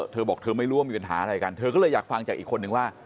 เธอบอกเธอไม่รู้ว่ามีปัญหาอะไรกันเธอก็เลยอยากฟังจากอีกคนนึงว่า